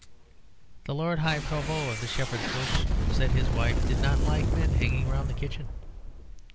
The Lord High Provost of Shepherd's Bush said his wife did not like men hanging round the kitchen.